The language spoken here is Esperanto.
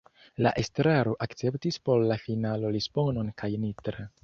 La estraro akceptis por la finalo Lisbonon kaj Nitra.